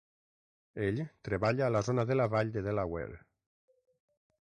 Ell treballa a la zona de la vall de Delaware.